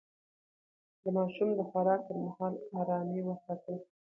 د ماشوم د خوراک پر مهال ارامي وساتئ.